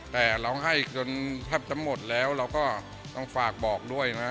แต่ร้องไห้จนแทบจะหมดแล้วเราก็ต้องฝากบอกด้วยนะ